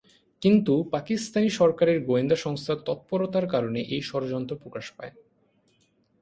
কিন্তু পাকিস্তান সরকারের গোয়েন্দা সংস্থার তৎপরতার কারণে এ ষড়যন্ত্র প্রকাশ পায়।